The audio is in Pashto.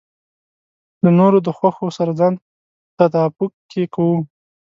له نورو د خوښو سره ځان تطابق کې کوو.